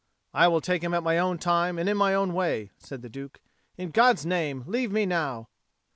"I will take him at my own time and in my own way," said the Duke. "In God's name, leave me now."